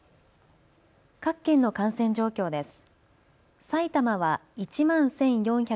各県の感染状況です。